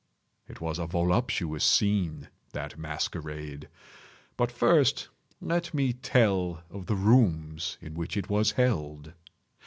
It was a voluptuous scene, that masquerade. But first let me tell of the rooms in which it was held.